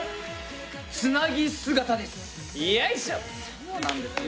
そうなんですよ